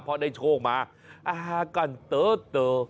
เพราะได้โชคมาอาหารกันเตอะ